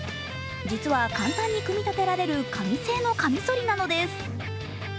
実は簡単に組み立てられる紙製のかみそりなのです。